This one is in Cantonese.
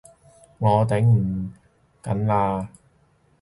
我頂唔緊喇！